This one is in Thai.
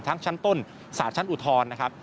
ทั้งชั้นต้นสารชั้นอุทรนะครับ